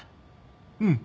うん。